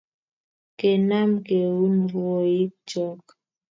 kenam keun rwoik chok